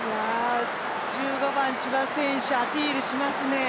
１５番・千葉選手、アピールしますね。